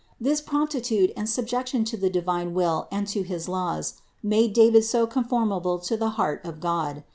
This promptitude and subjection to the divine will and to his laws made David so conformable to the heart of God.